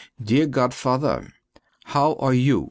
Dear Godfather: How are you?